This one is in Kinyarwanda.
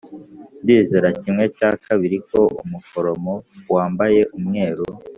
ndizera kimwe cya kabiri ko umuforomo wambaye umweru